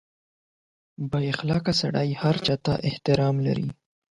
• بااخلاقه سړی هر چا ته احترام لري.